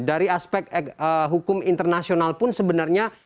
dari aspek hukum internasional pun sebenarnya